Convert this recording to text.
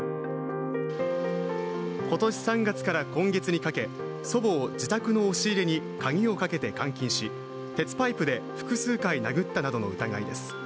今年３月から今月にかけ、祖母を自宅の押し入れに鍵をかけて監禁し、鉄パイプで複数回殴ったなどの疑いです。